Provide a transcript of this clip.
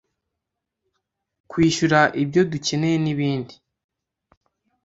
kwishyura ibyo dukeneye n’ibindi